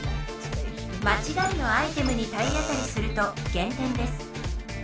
まちがいのアイテムに体当たりすると減点です。